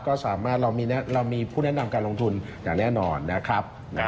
ก็สามารถเรามีผู้แนะนำการลงทุนอย่างแน่นอนนะครับ